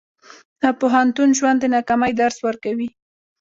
د پوهنتون ژوند د ناکامۍ درس ورکوي.